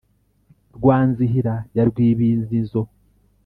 rwa nzihira ya rwibizinzo,